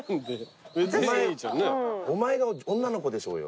お前が女の子でしょうよ。